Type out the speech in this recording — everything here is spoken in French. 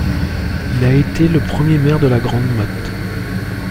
Il a été le premier maire de La Grande-Motte.